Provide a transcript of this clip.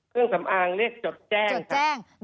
เครื่องสำอางนี่จดแจ้งค่ะ